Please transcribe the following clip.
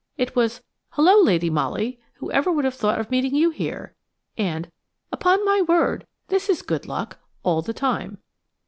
It was "Hello, Lady Molly! whoever would have thought of meeting you here?" and "Upon my word! this is good luck," all the time.